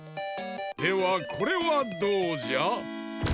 ではこれはどうじゃ？